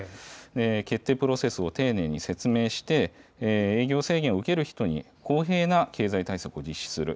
決定プロセスを丁寧に説明して、営業制限を受ける人に公平な経済対策を実施する。